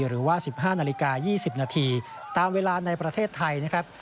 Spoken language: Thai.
หรือว่า๑๕นาฬิกา๒๐นาทีตามเวลาในประเทศไทยนะครับ